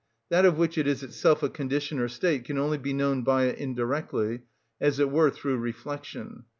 That of which it is itself a condition or state can only be known by it indirectly, as it were through reflection.